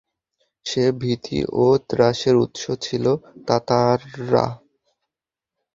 সে ভীতি ও ত্রাসের উৎস ছিল তাতাররা।